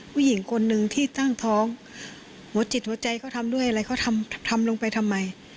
ผู้หญิงคนหนึ่งที่ตั้งท้องหัวจิตหัวใจเขาทำด้วยอะไรเขาทำทำลงไปทำไม